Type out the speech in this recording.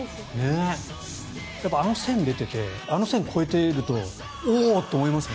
あの線出ていてあの線を越えるとおおと思いますね。